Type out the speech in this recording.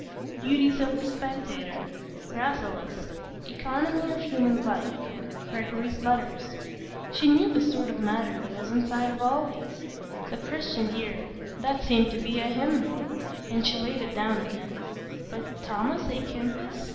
"Beauties of the Spectator," "Rasselas," "Economy of Human Life," "Gregory's Letters,"—she knew the sort of matter that was inside all these; the "Christian Year,"—that seemed to be a hymnbook, and she laid it down again; but _Thomas à Kempis?